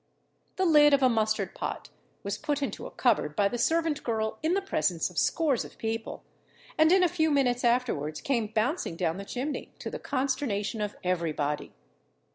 The lid of a mustard pot was put into a cupboard by the servant girl in the presence of scores of people, and in a few minutes afterwards came bouncing down the chimney, to the consternation of every body.